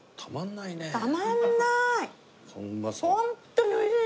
ホントに美味しい！